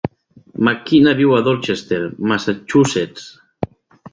McKenna viu a Dorchester, Massachusetts.